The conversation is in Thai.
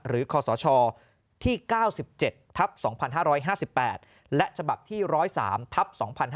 คศที่๙๗ทับ๒๕๕๘และฉบับที่๑๐๓ทัพ๒๕๕๙